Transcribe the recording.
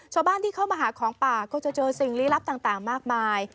ชาวบ้านที่เข้ามาหาของป่าก็จะเจอสิ่งลี้ลับต่างมากมาย